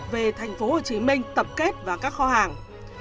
về tp hcm tập kết và các kho hàng